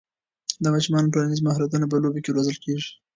د ماشومانو ټولنیز مهارتونه په لوبو کې روزل کېږي.